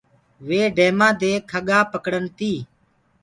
وي ڊيمآ دي کڳآ پَڪڙن تي۔